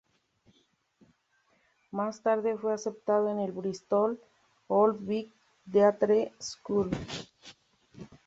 Más tarde fue aceptado en la Bristol Old Vic Theatre School.